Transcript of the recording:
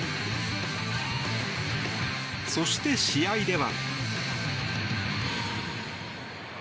そして試合では。